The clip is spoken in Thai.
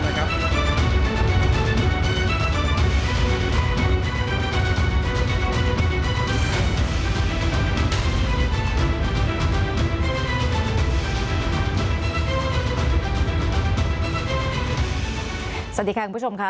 สวัสดีค่ะคุณผู้ชมค่ะ